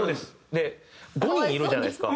で５人いるじゃないですか。